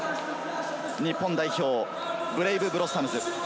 日本代表、ブレイブ・ブロッサムズ。